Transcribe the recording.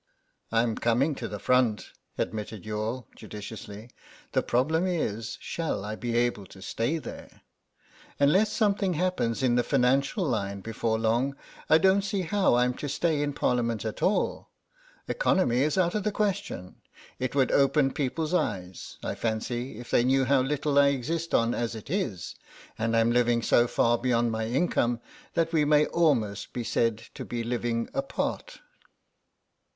"I'm coming to the front," admitted Youghal, judicially; "the problem is, shall I be able to stay there. Unless something happens in the financial line before long, I don't see how I'm to stay in Parliament at all. Economy is out of the question. It would open people's eyes, I fancy, if they knew how little I exist on as it is. And I'm living so far beyond my income that we may almost be said to be living apart."